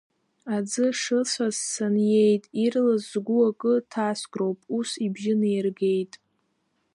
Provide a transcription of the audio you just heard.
Аӡы шыцәаз саниеит, ирлас сгәы акы ҭаскроуп, ус ибжьы неиргеит…